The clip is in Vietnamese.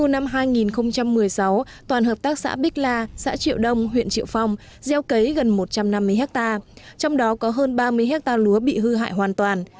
năm hai nghìn một mươi sáu toàn hợp tác xã bích la xã triệu đông huyện triệu phong gieo cấy gần một trăm năm mươi hectare trong đó có hơn ba mươi hectare lúa bị hư hại hoàn toàn